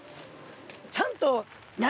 ちゃんと。